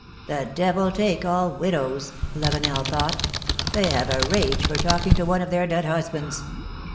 ^^The devil take all widows !" Lavenel thought; 'Mhey have a rage for talking to one of their dead husbands!"